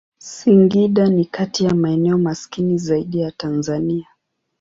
Singida ni kati ya maeneo maskini zaidi ya Tanzania.